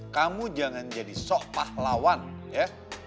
kamu jangan jadi sok pahlawan ya